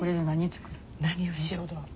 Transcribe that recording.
何をしよう？